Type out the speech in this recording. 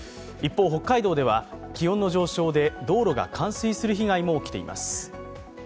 一方、北海道では気温の上昇で道路が冠水する被害も起きています。